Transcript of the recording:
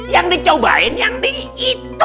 yang dicobain yang di itu